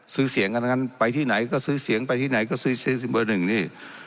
ซื้อเสียงกันทั้งนั้นไปที่ไหนก็ซื้อเสียงไปที่ไหนก็ซื้อซื้อซิมเบอร์หนึ่งนี่